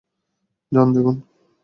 যান, দেখুন।